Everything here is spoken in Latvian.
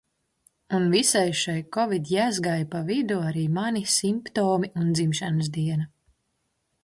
Un visai šai kovidjezgai pa vidu arī mani simptomi un dzimšanas diena.